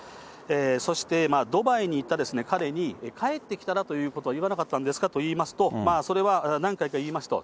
そして、ドバイに行った彼に、帰ってきたらということは言わなかったんですかということを言いますと、それは何回か言いました。